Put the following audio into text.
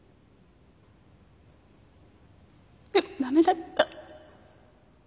でも駄目だった。